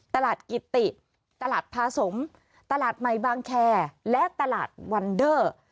ตลาดกิติตลาดพาสมตลาดใหม่บางแคร์และตลาดวันเดอร์